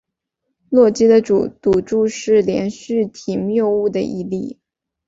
洛基的赌注是连续体谬误的一例。